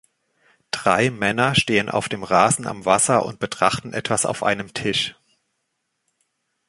Drei Männer stehen auf dem Rasen am Wasser und betrachten etwas auf einem Tisch